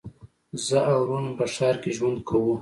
زه او ورور مي په ښار کي ژوند کوو.